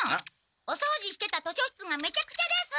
おそうじしてた図書室がメチャクチャです！